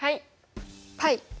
はい！